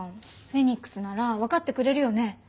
フェニックスならわかってくれるよね？